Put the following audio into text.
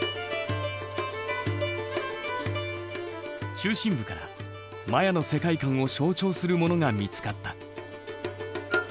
中心部からマヤの世界観を象徴するものが見つかった。